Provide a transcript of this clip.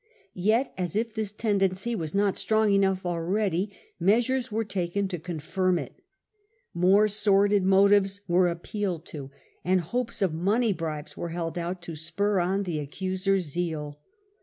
Yet, as if this tendency were not strong enough already, measures were taken to confirm it. More sordid motives were appealed to, and oipiredto ^ hopes of money bribes were held out to spur ieai of on the accuser's zeal.